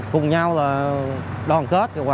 cùng nhau đoàn kết